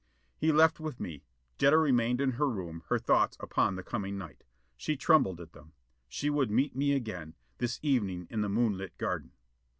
He left with me. Jetta remained in her room, her thoughts upon the coming night. She trembled at them. She would meet me again, this evening in the moonlit garden....